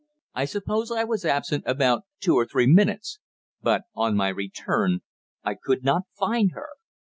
I suppose I was absent about two or three minutes, but on my return I could not find her.